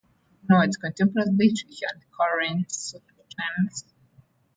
He ignored contemporary literature and current social trends.